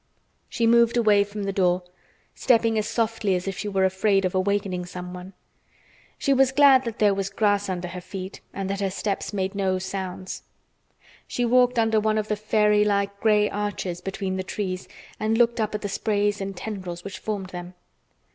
She moved away from the door, stepping as softly as if she were afraid of awakening someone. She was glad that there was grass under her feet and that her steps made no sounds. She walked under one of the fairy like gray arches between the trees and looked up at the sprays and tendrils which formed them.